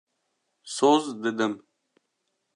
Soz didim.